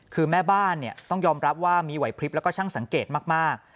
คือแม่บ้านต้องยอมรับว่ามีไหวพลิบแล้วก็ช่างสังเกตมาก